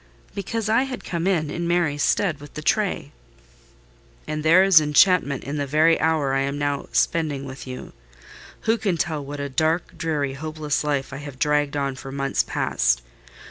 "Because I had come in, in Mary's stead, with the tray." "And there is enchantment in the very hour I am now spending with you. Who can tell what a dark, dreary, hopeless life I have dragged on for months past?